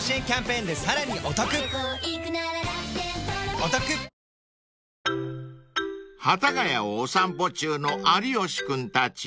東芝［幡ヶ谷をお散歩中の有吉君たち］